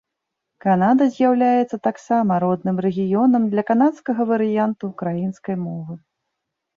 Канада з'яўляецца таксама родным рэгіёнам для канадскага варыянту ўкраінскай мовы.